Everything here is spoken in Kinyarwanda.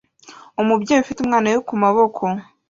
Umubyeyi ufite umwana we ku maboko